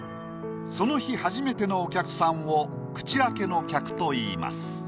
その日初めてのお客さんを「口開けの客」といいます。